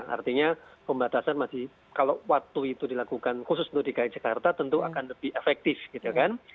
artinya pembatasan masih kalau waktu itu dilakukan khusus untuk dki jakarta tentu akan lebih efektif gitu kan